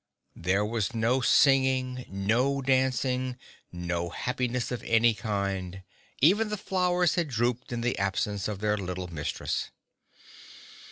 There was no singing, nor dancing—no happiness of any kind. Even the flowers had drooped in the absence of their little Mistress.